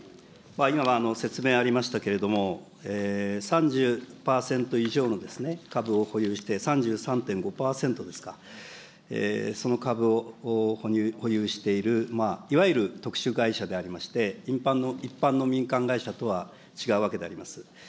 今、説明ありましたけれども、３０％以上の株を保有して、３３．５％ですか、その株を保有している、いわゆる特殊会社でありまして、一般の民間会社とは違うわけであります。